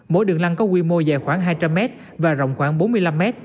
mỗi đường lăng có quy mô dài khoảng hai trăm linh m và rộng khoảng bốn mươi năm m